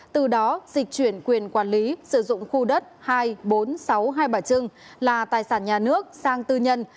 từ đó dịch chuyển quyền quản lý sử dụng khu đất hai bốn sáu hai bả trưng là tài sản nhà nước sang tư nhân